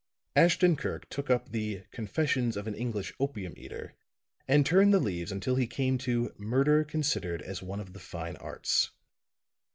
Ashton Kirk took up the "Confessions of an English Opium Eater" and turned the leaves until he came to "Murder Considered as One of the Fine Arts."